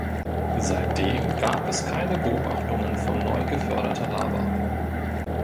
Seitdem gab es keine Beobachtungen von neu geförderter Lava.